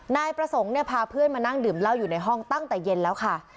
นายประสงค์เนี่ยพาเพื่อนมานั่งดื่มเหล้าอยู่ในห้องตั้งแต่เย็นแล้วค่ะ